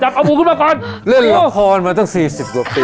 เอาหมูขึ้นมาก่อนเล่นละครมาตั้งสี่สิบกว่าปี